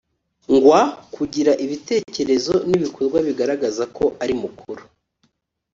Ngwa kugira ibitekerezo n ibikorwa bigaragaza ko ari mukuru